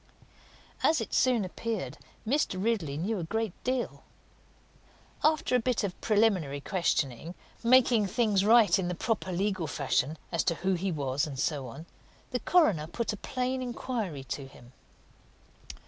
As it soon appeared, Mr. Ridley knew a good deal. After a bit of preliminary questioning, making things right in the proper legal fashion as to who he was, and so on, the coroner put a plain inquiry to him.